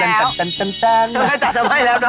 ไถลสัตย์เท่าไหร่แล้วเนอะ